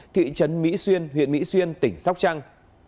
thị trấn mỹ xuyên huyện mỹ xuyên tỉnh sóc trăng